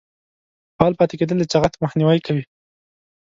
فعال پاتې کیدل د چاغښت مخنیوی کوي.